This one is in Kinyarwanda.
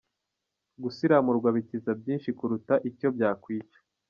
Gusiramurwa bikiza byinshi kuruta icyo byakwica.